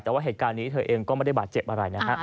แต่ว่าเหตุการณ์นี้เธอเองก็ไม่ได้บาดเจ็บอะไรนะฮะ